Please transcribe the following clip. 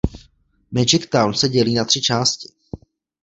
Magic Town se dělí na tři části.